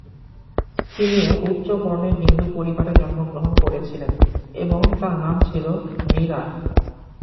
তিনি একটি উচ্চ-বর্ণের হিন্দু পরিবারে জন্মগ্রহণ করেছিলেন এবং তাঁর নাম ছিল মীরা।